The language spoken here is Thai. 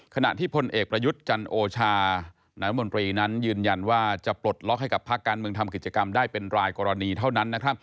ขณะที่พลเอกประยุทธ์จันโอชานายมนตรีนั้นยืนยันว่าจะปลดล็อกให้กับภาคการเมืองทำกิจกรรมได้เป็นรายกรณีเท่านั้น